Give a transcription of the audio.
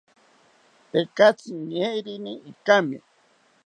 Tekatzi ñeerini ikami